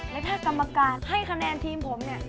และถ้ากรรมการให้คะแนนทีมผมเนี่ย